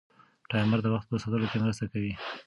ټایمر د وخت په ساتلو کې مرسته کوي.